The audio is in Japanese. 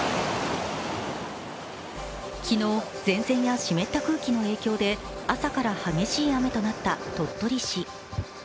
昨日、前線や湿った空気の影響で朝から激しい雨となった鳥取市。